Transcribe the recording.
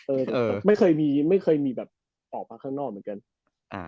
ไม่เคยมีไม่เคยมีแบบออกมาข้างนอกเหมือนกัน